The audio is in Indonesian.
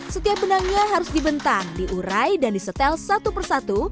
setiap benangnya harus dibentang diurai dan disetel satu persatu